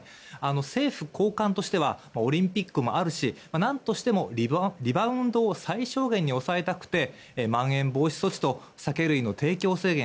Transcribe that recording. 政府高官としてはオリンピックもあるし何としてもリバウンドを最小限に抑えたくてまん延防止措置と酒類の提供制限